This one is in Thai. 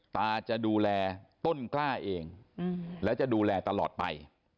ตาจะดูแลต้นกล้าเองและจะดูแลตลอดไป